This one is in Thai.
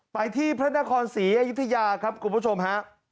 ไปที่พระนครศรีอยุธยาครับคุณผู้ชมฮะ